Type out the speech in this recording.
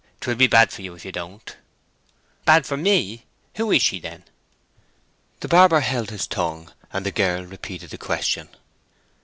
'Twill be bad for you if you don't." "Bad for me? Who is she, then?" The barber held his tongue, and the girl repeated the question.